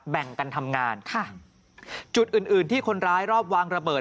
แบ่งกันทำงานค่ะจุดอื่นอื่นที่คนร้ายรอบวางระเบิด